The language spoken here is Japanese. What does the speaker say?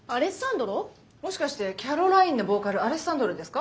もしかしてＣａｒｏｌｉｎｅのボーカルアレッサンドロですか？